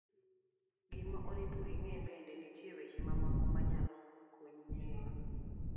gima oripo ing'e bende, nitie weche mamoko ma nyalo konyi ng'eyo